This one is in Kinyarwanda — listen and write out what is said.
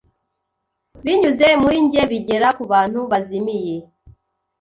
Binyuze muri njye bigera kubantu bazimiye